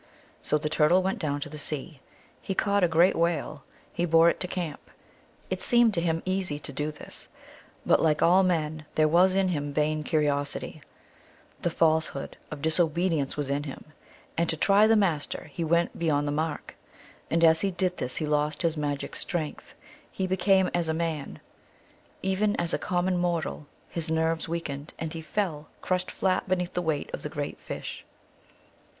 So the Turtle went down to the sea ; he caught a great whale, he bore it to camp ; it seemed to him easy to do this. But like all men there was in him vain curiosity ; the falsehood of dis obedience was in him, and to try the Master he went beyond the mark ; and as he did this he lost his magic strength ; he became as a man ; even as a common 108 THE ALGONQUIN LEGENDS. mortal his nerves weakened, and he fell, crushed flat beneath the weight of the great fish.